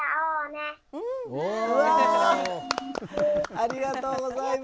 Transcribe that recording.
ありがとうございます！